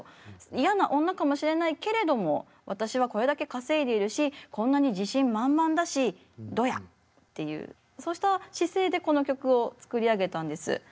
嫌な女かもしれないけれども私はこれだけ稼いでいるしこんなに自信満々だしどや！っていうそうした姿勢でこの曲を作り上げたんです。